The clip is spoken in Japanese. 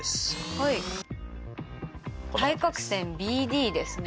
はい対角線ＢＤですね。